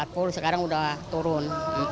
rp empat puluh sekarang sudah turun